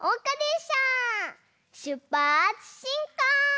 しゅっぱつしんこう！